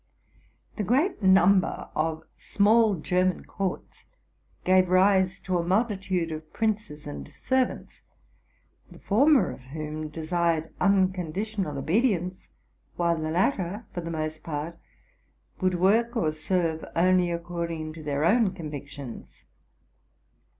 The great number of small German courts gave rise to a multitude of princes and servants, the former of whom desired uncondi tional obedience ; while the latter, for the most part, would work or serve only according to their own convictions.